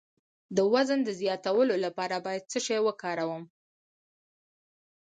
د وزن د زیاتولو لپاره باید څه شی وکاروم؟